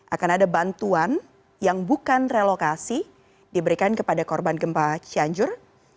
akan ada bantuan yang bukan relokasi diberikan kepada korban gempa cianjur